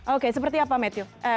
oke seperti apa matthew